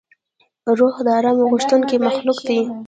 روح د آرام غوښتونکی مخلوق دی.